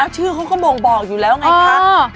ชื่อเขาก็บ่งบอกอยู่แล้วไงคะ